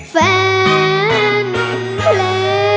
ก็มี